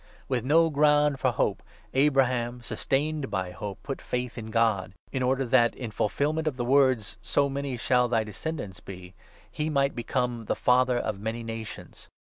With no ground for hope, Abraham, sustained by hope, put 18 faith in God ; in order that, in fulfilment of the words—' So many shall thy descendants be,' he might become ' the Father of many nations.'